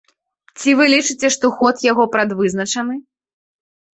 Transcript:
Ці вы лічыце, што ход яго прадвызначаны?